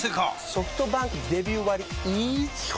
ソフトバンクデビュー割イズ基本